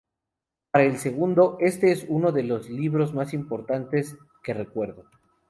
Para el segundo: "Este es uno de los libros más importantes que recuerdo.